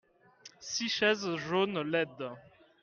six chaises jaunes laides.